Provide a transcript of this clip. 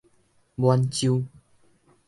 滿州